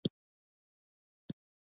متوفي هماغسې په تابوت کې پروت دی.